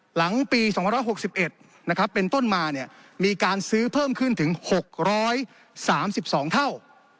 หลังปี๒๖๑เป็นต้นมามีการซื้อเพิ่มขึ้นถึง๖๓๒เท่า